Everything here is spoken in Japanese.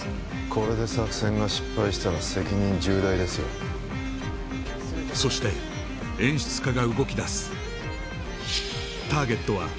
これで作戦が失敗したら責任重大ですよそして演出家が動きだす